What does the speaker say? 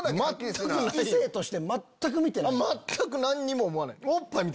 異性として全く見てない？